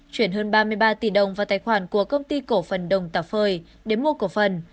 chuyển hơn ba mươi ba tỷ đồng vào tài khoản của công ty cổ phần đồng tà phời để mua cổ phần